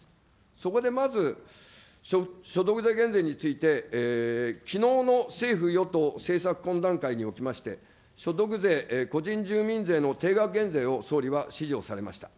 そこでまず所得税減税について、きのうの政府与党政策懇談会におきまして、所得税、個人住民税の定額減税を総理は指示をされました。